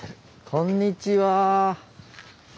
こんにちは。